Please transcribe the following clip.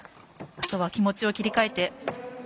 あとは気持ちを切り替えて。